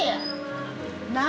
何？